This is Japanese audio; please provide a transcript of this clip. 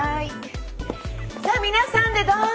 さあ皆さんでどうぞ。